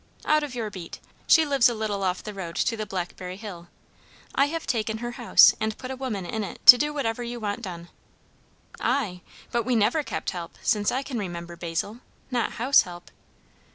"Out of your beat. She lives a little off the road to the Blackberry Hill. I have taken her house, and put a woman in it to do whatever you want done." "I? But we never kept help, since I can remember, Basil; not house help."